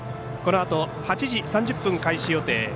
このあと、８時３０分開始予定。